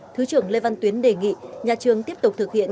thứ trưởng lê văn tuyến đề nghị nhà trường tiếp tục thực hiện